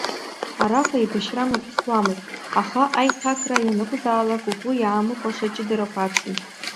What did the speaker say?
Араҟа еибашьра мҩаԥысуамызт, аха аиҭакра ианакәызаалак угәы иаамыхәаша аҷыдарақәа ацын.